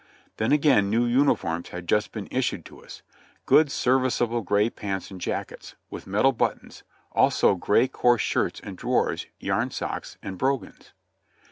Then again new uniforms had just been issued to us — good, serviceable gray pants and jackets, with metal buttons, also coarse gray shirts and drawers, yarn socks and brogans.